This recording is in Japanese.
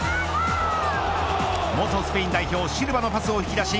元スペイン代表シルバのパスを引き出し